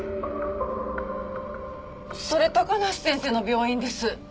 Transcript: それ高梨先生の病院です！